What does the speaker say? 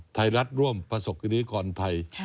ไทยรัฐร่วมประสบกรณิกรไทย